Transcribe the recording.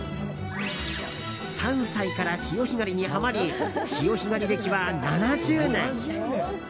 ３歳から潮干狩りにはまり潮干狩り歴は７０年。